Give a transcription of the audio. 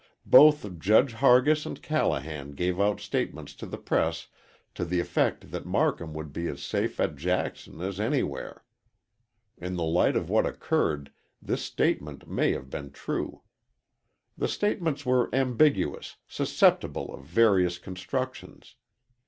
Both Judge Hargis and Callahan gave out statements to the press to the effect that Marcum would be as safe at Jackson as anywhere. In the light of what occurred, this statement may have been true. The statements were ambiguous, susceptible of various constructions.